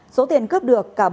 số tiền cướp được